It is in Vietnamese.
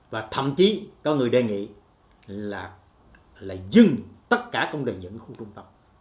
và thậm chí có người đề nghị là dừng tất cả công đề dẫn khu trung tâm